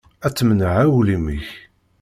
Ad temneɛ aglim-ik.